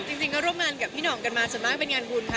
จริงก็ร่วมงานกับพี่ห่องกันมาส่วนมากเป็นงานบุญค่ะ